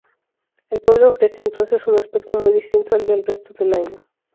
El pueblo ofrece entonces un aspecto muy distinto al del resto del año.